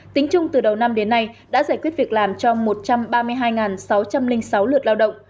tính chung từ đầu năm đến nay đã giải quyết việc làm cho một trăm ba mươi hai sáu trăm linh sáu lượt lao động